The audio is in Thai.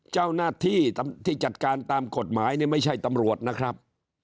เจ้าหน้าที่ที่จัดการตามกฎหมายนี่ไม่ใช่ตำรวจนะครับ